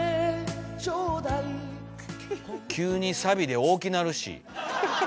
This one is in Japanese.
急にサビで大きなるし音。